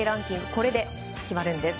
これで決まるんです。